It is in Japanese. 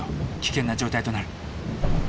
危険な状態となる。